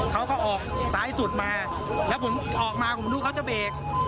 เขาก็ออกซ้ายสุดมาแล้วผมออกมาผมดูเขาจะเบรก